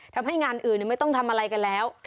ทำให้งานอื่นไม่ต้องทำอะไรกันแล้ว